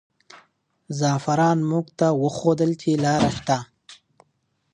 زعفران موږ ته وښودل چې لاره شته.